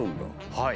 はい。